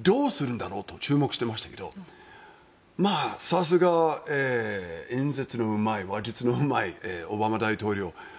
どうするんだろうと注目してましたけどさすが演説のうまい、話術のうまいオバマ大統領。